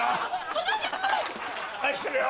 愛してるよ！